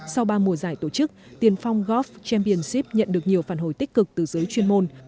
sau ba mùa giải tổ chức tiền phong golf championship nhận được nhiều phản hồi tích cực từ giới chuyên môn